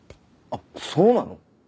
あっそうなの？